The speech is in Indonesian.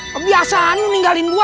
kebiasaan lu ninggalin gue